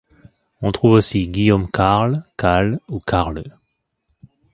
On trouve aussi Guillaume Carle, Cale ou Karle.